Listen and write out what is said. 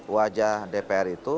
wajah dpr itu